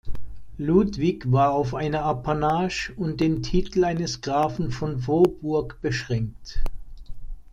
Ludwig war auf eine Apanage und den Titel eines Grafen von Vohburg beschränkt.